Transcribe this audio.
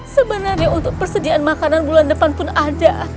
sebenarnya untuk persediaan makanan bulan depan pun ada